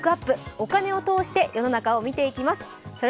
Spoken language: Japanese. お金を通して世の中を見ていきます。